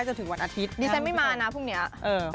สวัสดีค่ะสวัสดีค่ะ